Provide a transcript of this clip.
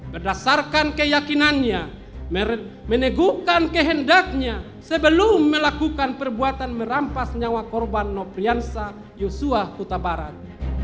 berdasarkan keyakinannya meneguhkan kehendaknya sebelum melakukan perbuatan merampas nyawa korban nobrianza yusua kutabarat